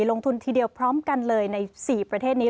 ทีเดียวพร้อมกันเลยใน๔ประเทศนี้